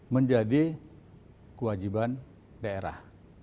menjadi kewajiban daerah